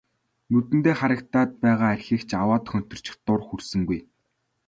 Нүдэндээ харагдаад байгаа архийг ч аваад хөнтөрчих дур хүрсэнгүй.